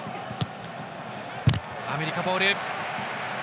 アメリカボール。